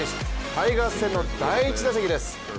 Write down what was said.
タイガース戦の第１打席です。